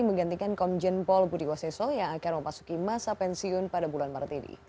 menggantikan komjen paul budi waseso yang akan memasuki masa pensiun pada bulan maret ini